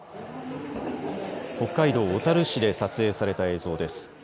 北海道小樽市で撮影された映像です。